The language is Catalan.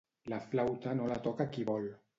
La flauta no la toca qui vol.